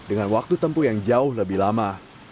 dengan waktu tempuh yang jauh lebih lama